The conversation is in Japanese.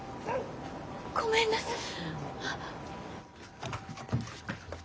ごめんなさい。